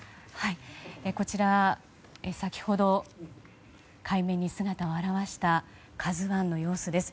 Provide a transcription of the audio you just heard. こちら、先ほど海面に姿を現した「ＫＡＺＵ１」の様子です。